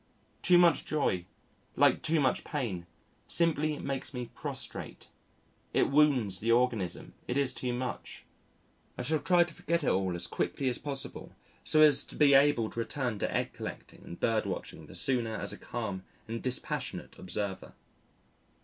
Too much joy, like too much pain, simply makes me prostrate. It wounds the organism. It is too much. I shall try to forget it all as quickly as possible so as to be able to return to egg collecting and bird watching the sooner as a calm and dispassionate observer.